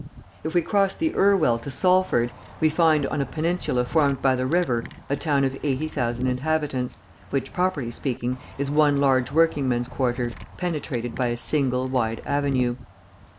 If we cross the Irwell to Salford, we find on a peninsula formed by the river, a town of eighty thousand inhabitants, which, properly speaking, is one large working men's quarter, penetrated by a single wide avenue.